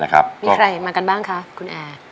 มีใครมากันบ้างคะคุณแอร์